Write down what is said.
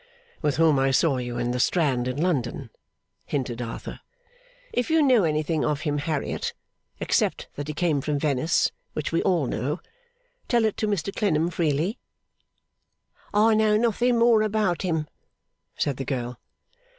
'With whom I saw you in the Strand in London,' hinted Arthur. 'If you know anything of him, Harriet, except that he came from Venice which we all know tell it to Mr Clennam freely.' 'I know nothing more about him,' said the girl.